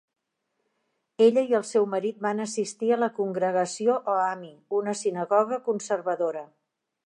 Ella i el seu marit van assistir a la Congregació o Ami, una sinagoga conservadora.